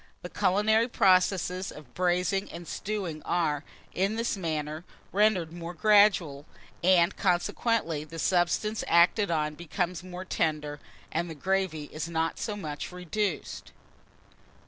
The culinary processes of braising and stewing are, in this manner, rendered more gradual, and consequently the substance acted on becomes more tender, and the gravy is not so much reduced.